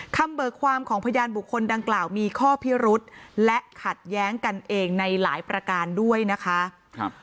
เบิกความของพยานบุคคลดังกล่าวมีข้อพิรุษและขัดแย้งกันเองในหลายประการด้วยนะคะ